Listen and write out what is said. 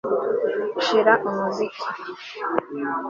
Shira umuziki